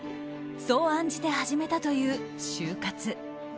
そう案じて始めたという終活。